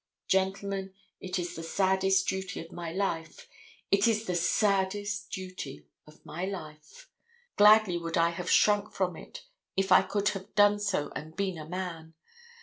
Gentlemen, it is the saddest duty of my life—it is the saddest duty of my life. Gladly would I have shrunk from it if I could have done so and been a man.